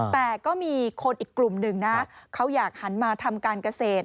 แต่ก็มีคนอีกกลุ่มหนึ่งนะเขาอยากหันมาทำการเกษตร